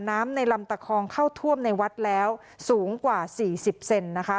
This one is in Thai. น้ำในลำตะคองเข้าท่วมในวัดแล้วสูงกว่าสี่สิบเซนนะคะ